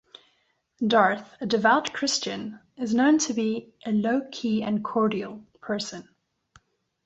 Dearth, a devout Christian, is known to be a "low-key and cordial" person.